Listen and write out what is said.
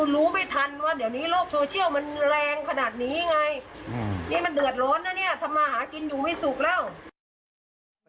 นี่มันเดือดล้นนะนี่ถ้ามาหากินอยู่ไม่สุกแล้ว